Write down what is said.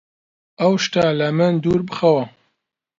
ئەو شتە لە من دوور بخەوە!